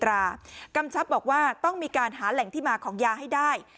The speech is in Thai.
กำชับบอกว่าต้องมีการหาแหล่งที่มาของยาให้ได้